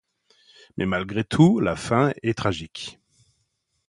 Mais malgré tout la fin est tragique.